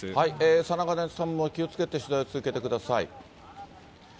貞包さんも気をつけて取材を続けてください。